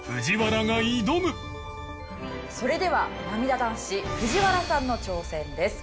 それではなみだ男子藤原さんの挑戦です。